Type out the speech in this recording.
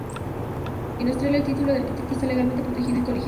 En Australia, el título de arquitecto está legalmente protegido y colegiado.